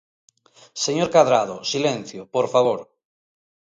Señor Cadrado, silencio, por favor.